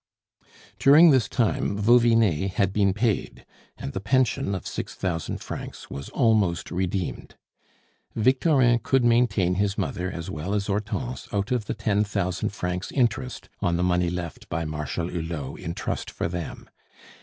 During this time, Vauvinet had been paid, and the pension of six thousand francs was almost redeemed. Victorin could maintain his mother as well as Hortense out of the ten thousand francs interest on the money left by Marshal Hulot in trust for them.